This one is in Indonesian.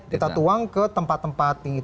kita tuang ke tempat tempat